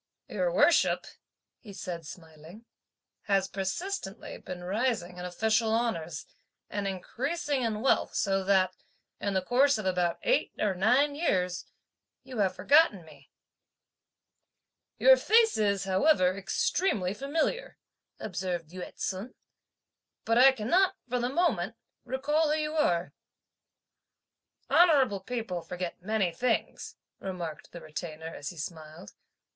"Your worship," he said smiling, "has persistently been rising in official honours, and increasing in wealth so that, in the course of about eight or nine years, you have forgotten me." "Your face is, however, extremely familiar," observed Yü ts'un, "but I cannot, for the moment, recall who you are." "Honourable people forget many things," remarked the Retainer, as he smiled.